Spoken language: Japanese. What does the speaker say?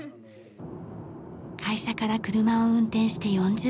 会社から車を運転して４０分。